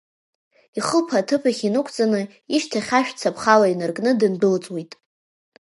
Ихылԥа аҭыԥахь инықәҵаны, ишьҭахь ашә цаԥхала инаркны дындәылҵуеит.